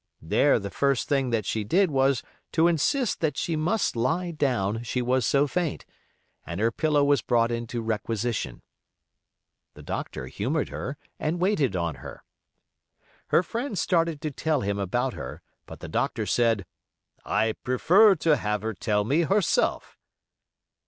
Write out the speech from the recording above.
There the first thing that she did was to insist that she must lie down, she was so faint, and her pillow was brought into requisition. The doctor humored her, and waited on her. Her friend started to tell him about her, but the doctor said, "I prefer to have her tell me herself."